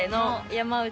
山内。